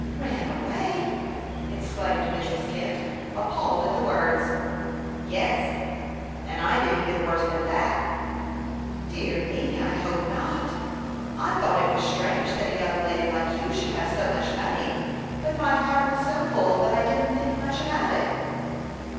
"Ran away!" exclaimed Mrs. Kent, appalled at the words. "Yes; and I did even worse than that." "Dear me! I hope not. I thought it was strange that a young lady like you should have so much money; but my heart was so full that I didn't think much about it."